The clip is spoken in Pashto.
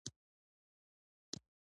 د ملګرو سیالۍ د زده کړې سرعت زیاتوي.